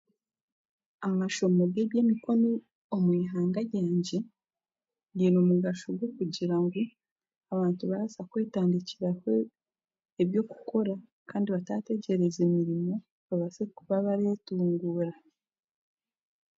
Amashomo g'eby'emikono omu ihanga ryangye giine omugasho gw'okugira ngu abantu barabaasa kwetandikiraho eby'okukora kandi bataategyereza emirimo babaase kuba bareetunguura.